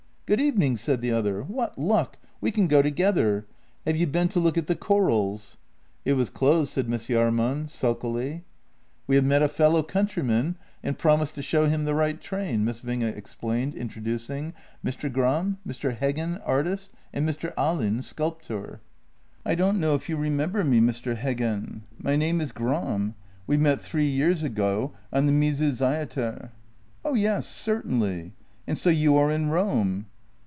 " Good evening," said the other. " What luck! We can go together. Have you been to look at the corals ?" JENNY 19 " It was closed," said Miss Jahrman sulkily. " We have met a fellow countryman, and promised to show him the right tram," Miss Winge explained, introducing: " Mr. Gram — Mr. Heggen, artist, and Mr. Ahlin, sculptor." " I don't know if you remember me, Mr. Heggen — my name is Gram; we met three years ago on the Mysusaeter." " Oh yes — certainly. And so you are in Rome?